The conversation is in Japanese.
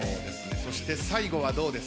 そして最後はどうですか？